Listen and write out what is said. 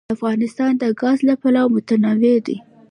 افغانستان د ګاز له پلوه متنوع دی.